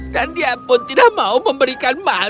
dan dia pun tidak mau memberikan makanan